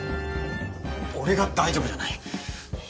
俺が大丈夫じゃない。